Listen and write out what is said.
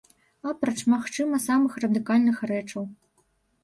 Апроч, магчыма, самых радыкальных рэчаў.